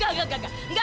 gak gak gak gak